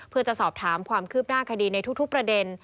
เพื่อจะสอบถามความคืบหน้าคดีในทุกประเด็น